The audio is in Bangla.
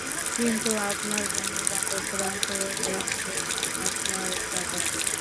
কিন্তু, আপনার বন্ধুবান্ধবরা তো রয়েছে আপনার চারপাশে?